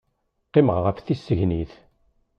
Qqimeɣ ɣef tisegnit.